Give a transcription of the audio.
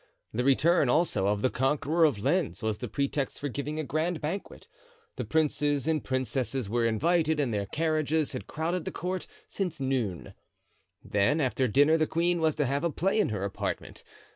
The return, also, of the conqueror of Lens was the pretext for giving a grand banquet. The princes and princesses were invited and their carriages had crowded the court since noon; then after dinner the queen was to have a play in her apartment.